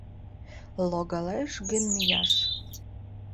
Логалеш гын мияш